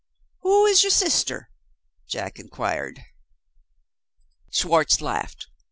"Who is your sister?" Jack inquired. Schwartz laughed.